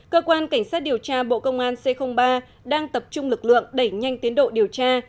cơ quan cảnh sát điều tra bộ công an c ba đang tập trung lực lượng đẩy nhanh tiến độ điều tra